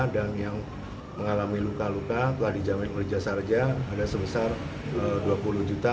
dan yang mengalami luka luka telah dijamin oleh jasara harja ada sebesar rp dua puluh juta